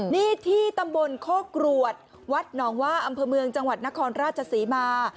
นี่ที่ตำบลโคกรวดวัดหนองว่าอำเภอเมืองจังหวัดนครราชศรีมา